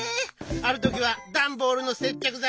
あるときはダンボールのせっちゃくざい。